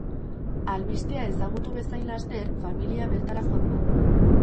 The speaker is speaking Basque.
Albistea ezagutu bezain laster, familia bertara joan da.